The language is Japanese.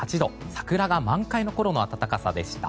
桜が満開のころの暖かさでした。